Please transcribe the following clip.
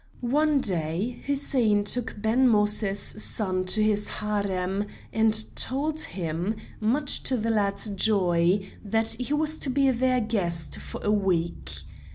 One day Hussein took Ben Moïse's son to his Harem and told him, much to the lad's joy, that he was to be their guest for a week.